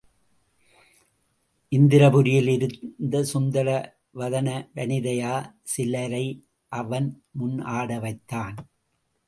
இந்திரபுரியில் இருத்த சுந்தர வதனவனிதையா சிலரை அவன் முன் ஆட வைத்தான்.